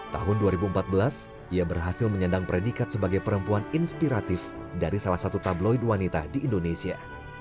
tahun dua ribu empat belas ia berhasil menyandang predikat sebagai perempuan inspiratif dari salah satu tabloid wanita di indonesia